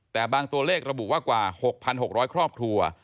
แต่บางตัวเลขระบุว่ากว่า๖๖๐๐ครอบครัว